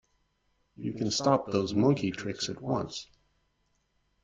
You can stop those monkey tricks at once!